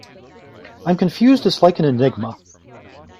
I'm confused it's like an enigma.